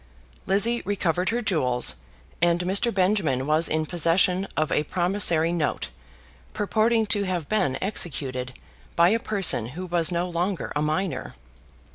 Lizzie recovered her jewels and Mr. Benjamin was in possession of a promissory note purporting to have been executed by a person who was no longer a minor.